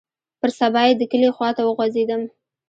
پر سبا يې د کلي خوا ته وخوځېدم.